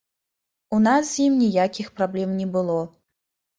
У нас з ім ніякіх праблем не было.